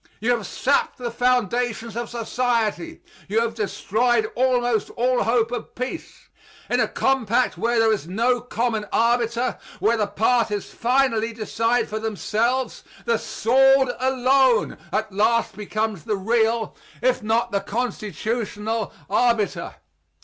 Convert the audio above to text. You have sapped the foundations of society; you have destroyed almost all hope of peace. In a compact where there is no common arbiter, where the parties finally decide for themselves, the sword alone at last becomes the real, if not the constitutional, arbiter.